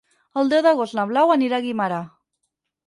El deu d'agost na Blau anirà a Guimerà.